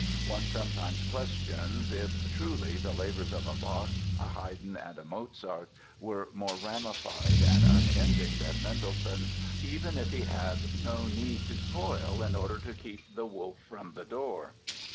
One sometimes questions if, truly, the labors of a Bach, a Haydn and a Mozart were more ramified and unending than Mendelssohn's—even if he had no need to toil in order to keep the wolf from the door!